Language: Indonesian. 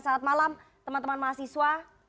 selamat malam teman teman mahasiswa